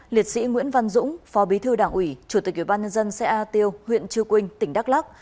sáu liệt sĩ nguyễn văn dũng phó bí thư đảng ủy chủ tịch ủy ban nhân dân xã e tiêu huyện chư quynh tỉnh đắk lắc